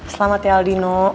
selamat ya aldino